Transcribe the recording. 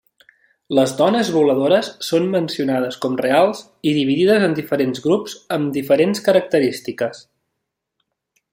Les dones voladores són mencionades com reals i dividides en diferents grups amb diferents característiques.